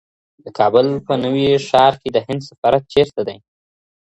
د کابل په نوي ښار کي د هند سفارت چېرته دی؟